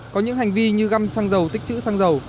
có những hành vi như găm xăng dầu tích chữ xăng dầu